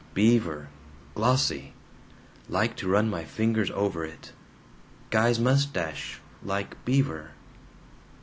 Beaver glossy. Like to run my fingers over it. Guy's mustache like beaver.